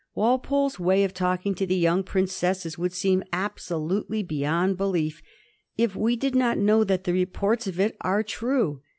Walpole's way of talking to the young princesses would seem absolutely beyond belief if we did not know that the reports of it are true.